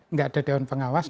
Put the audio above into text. nggak ada dewan pengawas